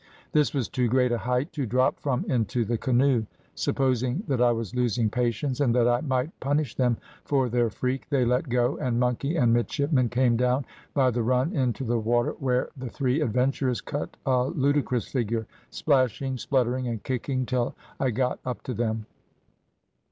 This was too great a height to drop from into the canoe. Supposing that I was losing patience, and that I might punish them for their freak, they let go, and monkey and midshipmen came down by the run into the water, where the three adventurers cut a ludicrous figure, splashing, spluttering, and kicking till I got up to them.